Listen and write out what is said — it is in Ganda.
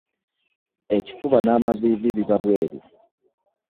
Ekifuba n'amaviivi biba bweru.